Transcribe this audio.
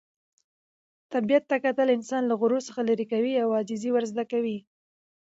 طبیعت ته کتل انسان له غرور څخه لیرې کوي او عاجزي ور زده کوي.